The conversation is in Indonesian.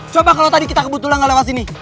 coba kalau tadi kita kebetulan nggak lewat sini